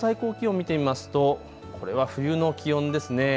最高気温見てみますとこれは冬の気温ですね。